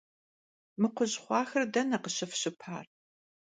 Mı kxhuj xhuaxer dene khışıfşıpar?